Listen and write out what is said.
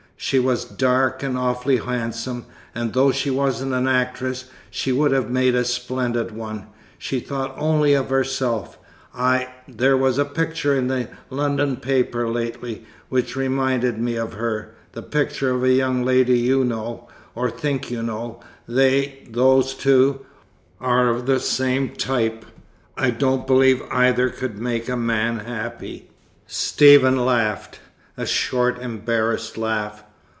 "She was dark and awfully handsome, and though she wasn't an actress, she would have made a splendid one. She thought only of herself. I there was a picture in a London paper lately which reminded me of her the picture of a young lady you know or think you know. They those two are of the same type. I don't believe either could make a man happy." Stephen laughed a short, embarrassed laugh.